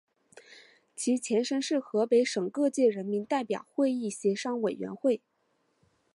其前身是河北省各界人民代表会议协商委员会。